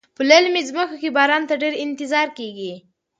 په للمي ځمکو کې باران ته ډیر انتظار کیږي.